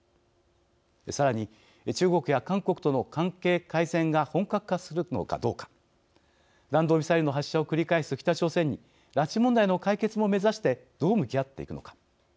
さらに中国や韓国との関係改善が本格化するのかどうか弾道ミサイルの発射を繰り返す北朝鮮に拉致問題の解決も目指してどう向き合っていくのか。